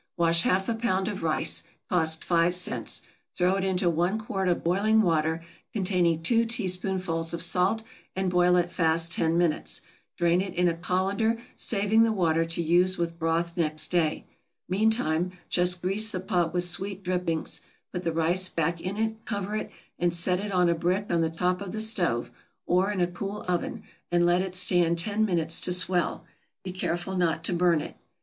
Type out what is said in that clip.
Wash half a pound of rice (cost five cents,) throw it into one quart of boiling water, containing two teaspoonfuls of salt, and boil it fast ten minutes; drain it in a colander, saving the water to use with broth next day; meantime just grease the pot with sweet drippings, put the rice back in it, cover it, and set it on a brick on the top of the stove, or in a cool oven, and let it stand ten minutes to swell; be careful not to burn it.